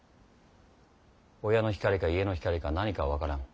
親の光か家の光か何かは分からぬ。